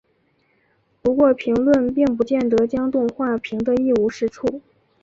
不过评论并不见得将动画评得一无是处。